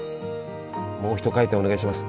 もう一回転お願いします。